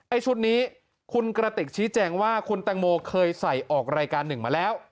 ชุดนี้คุณกระติกชี้แจงว่าคุณแตงโมเคยใส่ออกรายการหนึ่งมาแล้ว